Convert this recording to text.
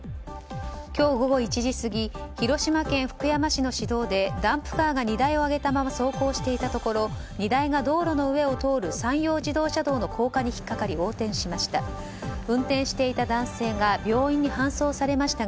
今日午後１時過ぎ広島県福山市の市道でダンプカーが荷台を上げたまま走行していたところ荷台が道路の上を通る山陽自動車道の高架に引っ掛かり横転しました。